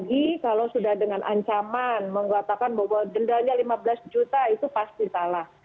apalagi kalau sudah dengan ancaman mengatakan bahwa dendanya lima belas juta itu pasti salah